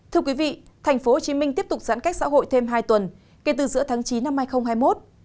thành phố hồ chí minh tiếp tục giãn cách xã hội thêm hai tuần kể từ giữa tháng chín năm hai nghìn hai mươi một